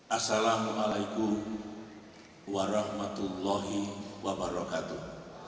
assalamu'alaikum warahmatullahi wabarakatuh